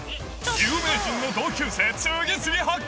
有名人の同級生、次々発見！